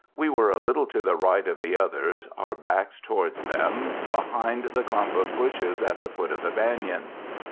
We were a little to the right of the others, our backs towards them, behind the clump of bushes at the foot of the banyan.